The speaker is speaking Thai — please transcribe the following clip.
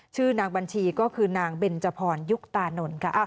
ชื่อนางบัญชีก็คือนางเบนจพรยุคตานนท์ค่ะ